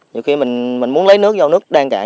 nhiều khi mình muốn lấy nước vô nước đang cạn